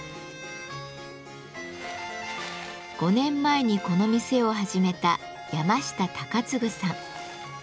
５年前にこの店を始めた山下貴嗣さん。